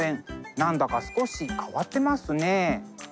何だか少し変わってますね。